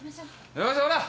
よーしほら。